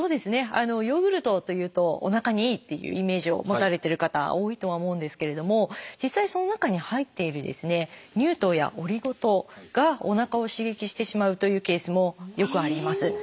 ヨーグルトというとおなかにいいっていうイメージを持たれてる方多いとは思うんですけれども実際その中に入っている乳糖やオリゴ糖がおなかを刺激してしまうというケースもよくあります。